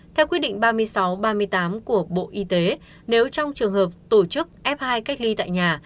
theo quyết định ba mươi sáu ba mươi tám của bộ y tế nếu trong trường hợp tổ chức f hai cách ly tại nhà